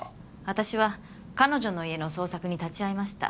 私は彼女の家の捜索に立ち会いました。